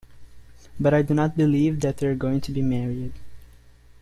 But I do not believe that they are going to be married.